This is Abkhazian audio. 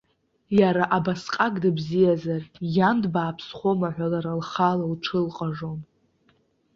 Иара абасҟак дыбзиазар, иан дбааԥсхома ҳәа лара лхала лҽылҟажон.